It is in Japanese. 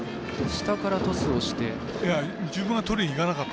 下からトスをして。